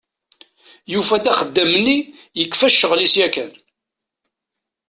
Yufa-d axeddam-nni yekfa ccɣel-is yakan.